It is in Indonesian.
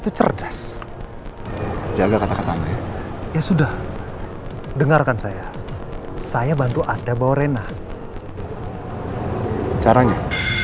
pernah nggak silahkan iya